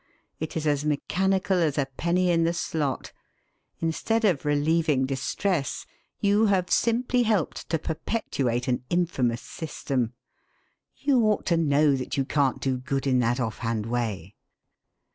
It is as mechanical as a penny in the slot. Instead of relieving distress you have simply helped to perpetuate an infamous system. You ought to know that you can't do good in that offhand way.'